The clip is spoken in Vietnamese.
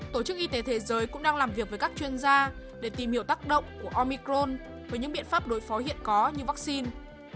tổ chức y tế thế giới cũng đang làm việc với các chuyên gia để tìm hiểu tác động của omicron với những biện pháp đối phó hiện có như vaccine